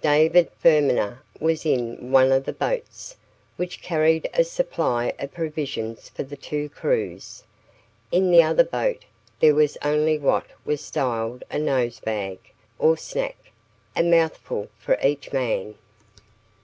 David Fermaner was in one of the boats, which carried a supply of provisions for the two crews; in the other boat there was only what was styled a nosebag, or snack a mouthful for each man.